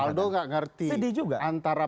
maldo gak ngerti sedih juga antara